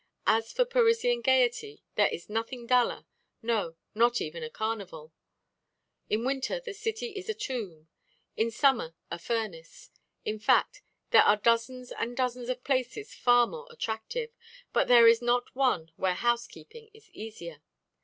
As for Parisian gaiety, there is nothing duller no, not even a carnival. In winter the city is a tomb; in summer a furnace. In fact, there are dozens and dozens of places far more attractive, but there is not one where house keeping is easier.